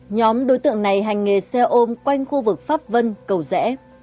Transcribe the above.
nhóm đối tượng này hành nghề xe ôm quanh khu vực pháp vân cầu rẽ